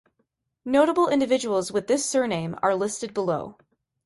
Notable individuals with this surname are listed below.